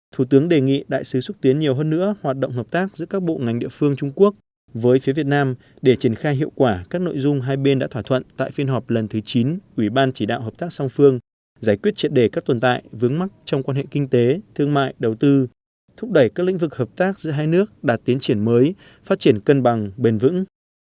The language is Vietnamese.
thủ tướng đề nghị đại sứ xúc tiến nhiều hơn nữa hoạt động hợp tác giữa các bộ ngành địa phương trung quốc với phía việt nam để triển khai hiệu quả các nội dung hai bên đã thỏa thuận tại phiên họp lần thứ chín ủy ban chỉ đạo hợp tác song phương giải quyết triển đề các tồn tại vướng mắc trong quan hệ kinh tế thương mại đầu tư thúc đẩy các lĩnh vực hợp tác giữa hai nước đạt tiến triển mới phát triển cân bằng bền vững